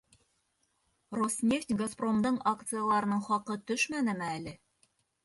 «Роснефть», «Газпром»дың акцияларының хаҡы төшмәнеме әле?»